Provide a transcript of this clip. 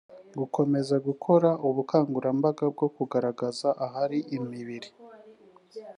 gukomeza gukora ubukangurambaga bwo kugaragaza ahari imibiri